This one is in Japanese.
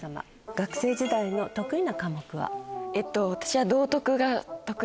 学生時代の得意な科目は？